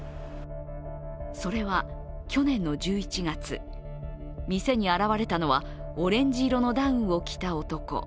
それは去年の１１月、店に現れたのはオレンジ色のダウンを着た男。